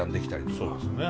そうですね。